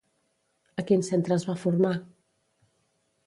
A quin centre es va formar?